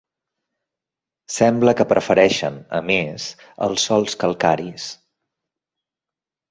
Sembla que prefereixen, a més, els sòls calcaris.